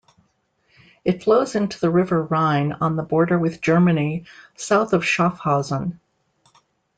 It flows into the river Rhine on the border with Germany, south of Schaffhausen.